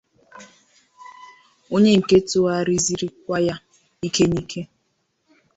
onye nke tụghariziri kwaa ya ike n’ike